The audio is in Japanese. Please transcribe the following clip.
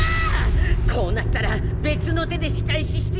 こうなったら別の手で仕返ししてやる！